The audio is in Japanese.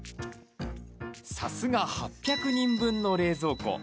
さすが８００人分の冷蔵庫。